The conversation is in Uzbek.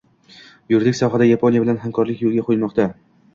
Yuridik sohada Yaponiya bilan hamkorlik yo‘lga qo‘yilmoqdang